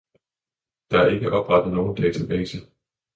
Der er ikke blevet oprettet nogen database.